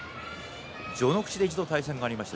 序ノ口で一度対戦がありました。